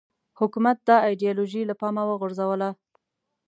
حکومت دا ایدیالوژي له پامه وغورځوله